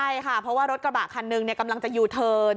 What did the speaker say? ใช่ค่ะเพราะว่ารถกระบะคันหนึ่งกำลังจะยูเทิร์น